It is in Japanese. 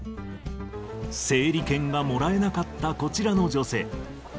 整理券がもらえなかったこちらの女性。